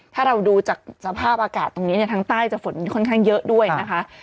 ถ้าเราดูจากสภาพอากาศตรงนี้เนี่ยทางใต้จะฝนค่อนข้างเยอะด้วยนะคะ